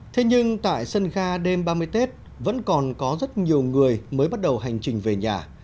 thế nhưng tại sân ga đêm ba mươi tết vẫn còn có rất nhiều người mới bắt đầu hành trình về nhà